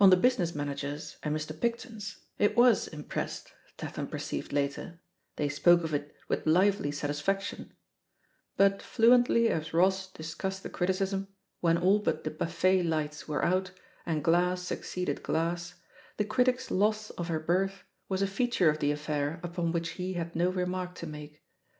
On the business man ager's and Mr. Picton's it was impressed, Tat ham perceived later — ^they spoke of it with lively no THE POSITION OF PEGGY HARPER satisfaction; but, fluently as Ross discussed Hie criticism, when all but the buffet lights were out, and glass succeeded glass, the critic's loss of her berth was a feature of the affair upon which he had no remark to make.